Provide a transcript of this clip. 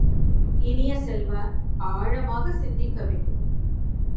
இனிய செல்வ, ஆழமாகச் சிந்திக்க வேண்டும்.